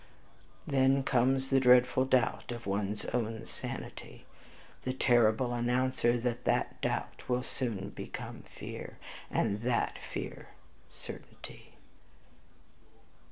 Then comes the dreadful doubt of one's own sanity, the terrible announcer that THAT doubt will soon become fear, and THAT fear certainty.